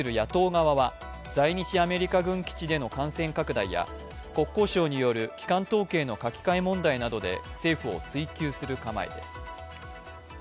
在日アメリカ軍基地での感染拡大や国交省による基幹統計の書き換え問題などで政府を追及する構えです。